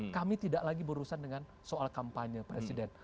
kami tidak lagi berurusan dengan soal kampanye presiden